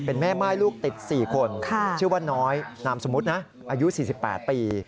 เป็นแม่ม่ายลูกติด๔คนชื่อว่าน้อยนามสมมุตินะอายุ๔๘ปี